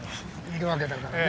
いるわけだからね。